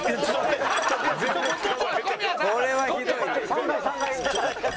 ３階３階。